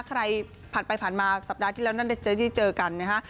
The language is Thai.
ใครผ่านไปผ่านมาสัปดาห์ที่แล้วนั่นจะได้เจอกันนะฮะ